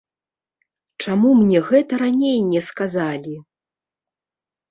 Чаму мне гэта раней не сказалі?!